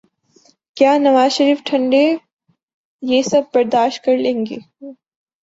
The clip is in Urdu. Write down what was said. کیا نوازشریف ٹھنڈے پیٹوں یہ سب برداشت کر لیں گے؟